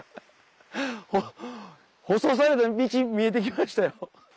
舗装された道見えてきましたよ。